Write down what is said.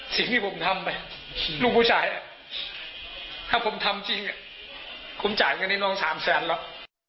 สิ่งที่ผมทำไปลูกผู้ชายถ้าผมทำจริงผมจ่ายเงินให้น้องสามแสนหรอก